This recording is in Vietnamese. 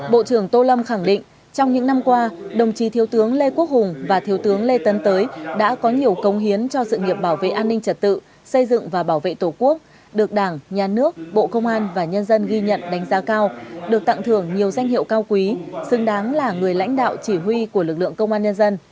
bộ trưởng tô lâm khẳng định trong những năm qua đồng chí thiếu tướng lê quốc hùng và thiếu tướng lê tấn tới đã có nhiều công hiến cho sự nghiệp bảo vệ an ninh trật tự xây dựng và bảo vệ tổ quốc được đảng nhà nước bộ công an và nhân dân ghi nhận đánh giá cao được tặng thưởng nhiều danh hiệu cao quý xứng đáng là người lãnh đạo chỉ huy của lực lượng công an nhân dân